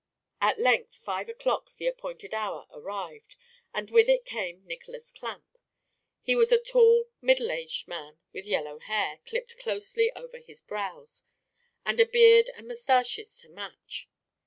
At length five o'clock, the appointed hour, arrived, and with it came Nicholas Clamp. He was a tall, middle aged man, with yellow hair, clipped closely over his brows, and a beard and moustaches to match.